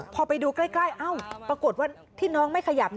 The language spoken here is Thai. พอไปดูใกล้ปรากฏว่าที่น้องไม่ขยับ